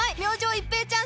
一平ちゃーん！